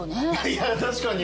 いや確かに。